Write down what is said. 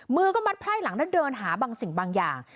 มือก็มัดไพร่หลังแล้วเดินหาบางสิ่งบางอย่าง